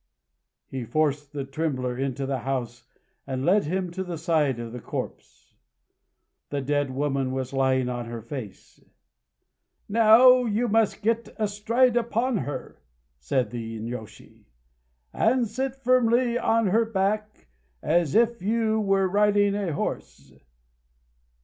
He forced the trembler into the house and led him to the side of the corpse. The dead woman was lying on her face. "Now you must get astride upon her," said the inyôshi, "and sit firmly on her back, as if you were riding a horse....